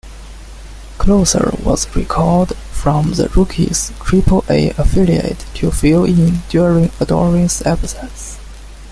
Closser was recalled from the Rockies' Triple-A affiliate to fill in during Ardoin's absence.